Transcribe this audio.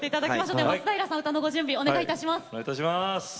松平さん歌のご準備お願いいたします。